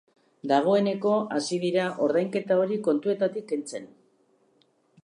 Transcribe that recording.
Dagoeneko hasi dira ordainketa hori kontuetatik kentzen.